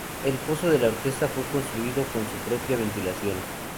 El foso de la orquesta fue construido con su propia ventilación.